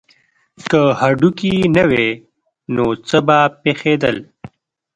که هډوکي نه وی نو څه به پیښیدل